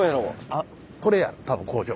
あっこれや多分工場。